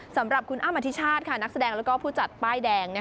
สำหรับคุณอ้ำอธิชาตินักแสดงแล้วก็ผู้จัดป้ายแดง